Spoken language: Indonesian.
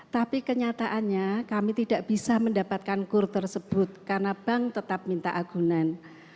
tapi kenyataannya kami tidak bisa mendapatkan kur tersebut karena bank tetap minta agunan